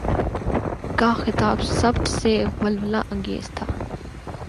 کا خطاب سب سے ولولہ انگیز تھا۔